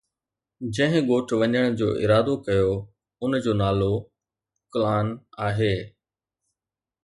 جنهن ڳوٺ وڃڻ جو ارادو ڪيو ان جو نالو ”ڪلان“ آهي.